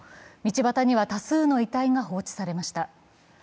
道端には多数の遺体が放置されました。